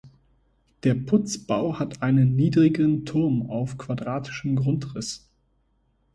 Der Putzbau hat einen niedrigen Turm auf quadratischem Grundriss.